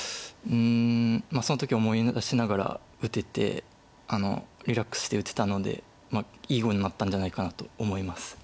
その時を思い出しながら打ててリラックスして打てたのでいい碁になったんじゃないかなと思います。